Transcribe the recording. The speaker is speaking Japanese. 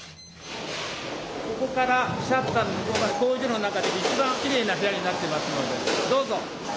ここからシャッターの向こうが工場の中でいちばんきれいな部屋になってますのでどうぞ！